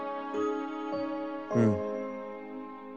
『うん。